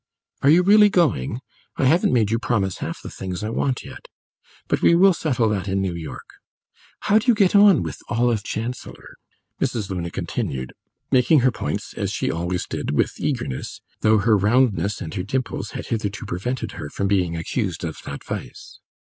"Are you really going? I haven't made you promise half the things I want yet. But we will settle that in New York. How do you get on with Olive Chancellor?" Mrs. Luna continued, making her points, as she always did, with eagerness, though her roundness and her dimples had hitherto prevented her from being accused of that vice.